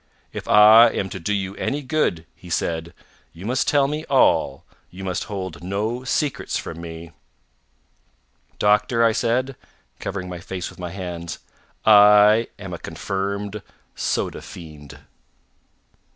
"If I am to do you any good," he said, "you must tell me all. You must hold no secrets from me." "Doctor," I said, covering my face with my hands, "I am a confirmed soda fiend."